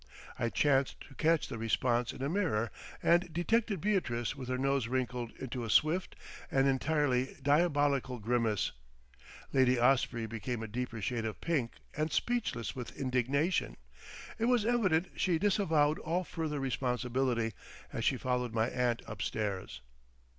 I chanced to catch the response in a mirror and detected Beatrice with her nose wrinkled into a swift and entirely diabolical grimace. Lady Osprey became a deeper shade of pink and speechless with indignation—it was evident she disavowed all further responsibility, as she followed my aunt upstairs.